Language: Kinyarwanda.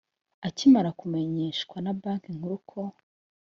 akimara kumenyeshwa na banki nkuru ko